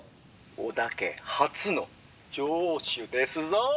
「織田家初の城主ですぞ！」。